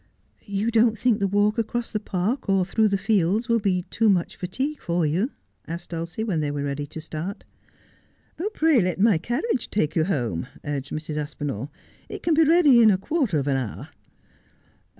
' You don't think the walk across the park or through the fields will be too much fatigue for you 1 ' asked Dulcie, when they were ready to start. ' Pray let my carriage take you home,' urged Mrs. Aspinall. ' It can be ready in a quarter of an hour.'